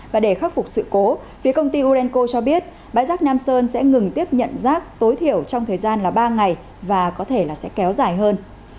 và để khắc phục sự cố phía công ty urenco cho biết bãi rác nam sơn sẽ ngừng tiếp nhận rác tối thiểu trong thời gian ba ngày và có thể là sẽ kéo dài hơn